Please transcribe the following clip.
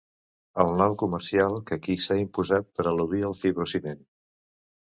El nom comercial que aquí s'ha imposat per al·ludir al fibrociment.